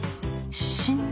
死んだ？